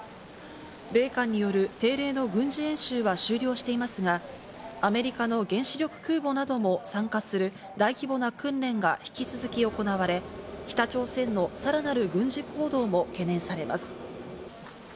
米韓による定例の軍事演習は終了していますが、アメリカの原子力空母なども参加する大規模な訓練が引き続き行われ、北朝鮮のさらなる軍事行動も懸念されます。